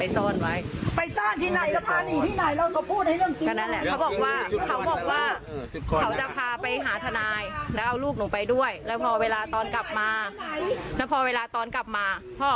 ต้อนนั้นน่ะพ่อหนูไปที่ลงทักไปคุย